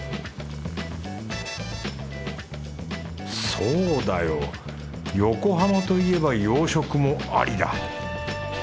そうだよ横浜といえば洋食もありだ。